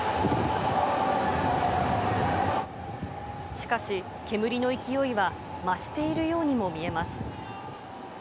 しかし、煙の勢いは増しているようにも見えます。